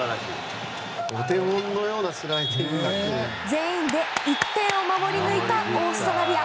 全員で１点を守り抜いたオーストラリア。